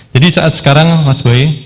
jadi saat sekarang mas boy